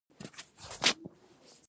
د باغ لپاره د تراکتور لاره پریږدم؟